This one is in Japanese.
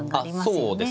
そうですね。